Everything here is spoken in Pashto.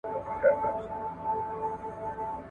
انا په خپلو کمزورو لاسونو هغه له ځانه لرې کړ.